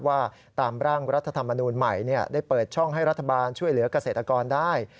ว่าตามร่างรัฐธรรมนูลใหม่ได้เปิดช่องให้รัฐบาลช่วยเหลือกเกษตรกรได้